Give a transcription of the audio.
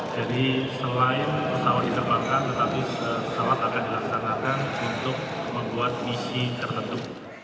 jadi selain pesawat diterbangkan tetapi pesawat akan dilaksanakan untuk membuat misi tertentu